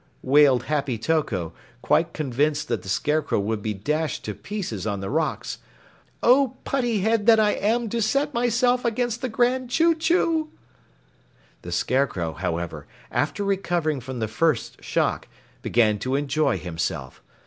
wailed Happy Toko, quite convinced that the Scarecrow would be dashed to pieces on the rocks. "Oh, putty head that I am to set myself against the Grand Chew Chew!" The Scarecrow, however, after recovering from the first shock, began to enjoy himself.